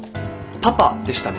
パパでしたね。